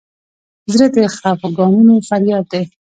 زړه د خفګانونو فریاد دی.